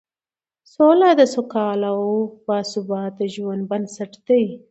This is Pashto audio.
سوله د سوکاله او باثباته ژوند بنسټ دی